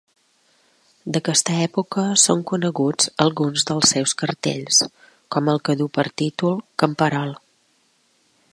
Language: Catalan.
D'aquesta època són coneguts alguns dels seus cartells, com el que du per títol Camperol.